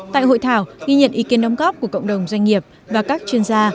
tại hội thảo ghi nhận ý kiến đóng góp của cộng đồng doanh nghiệp và các chuyên gia